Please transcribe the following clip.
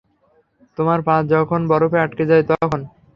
তোমার পা যখন বরফে আঁটকে যায়, তখন?